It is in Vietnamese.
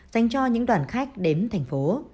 dành cho những đoàn khách đến thành phố